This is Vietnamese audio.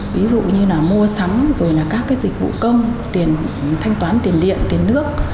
ví dụ như là mua sắm rồi là các cái dịch vụ công tiền thanh toán tiền điện tiền nước